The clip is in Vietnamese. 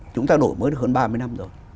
chúng ta đổi mới hơn ba mươi năm rồi